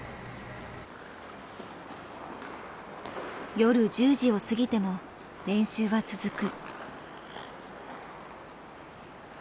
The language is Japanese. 夜１０時を過ぎても練習は続く。